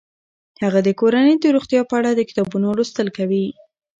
هغه د کورنۍ د روغتیا په اړه د کتابونو لوستل کوي.